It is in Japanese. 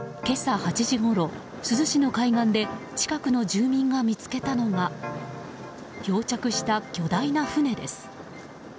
今朝８時ごろ、珠洲市の海岸で近くの住民が見つけたのが漂着した巨大な船です。